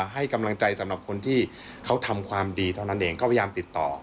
ให้กำลังใจสำหรับคนที่เขาทำความดีเท่านั้นเองก็พยายามติดต่อ